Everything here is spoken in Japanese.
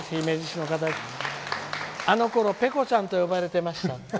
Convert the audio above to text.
あのころペコちゃんと呼ばれていました」。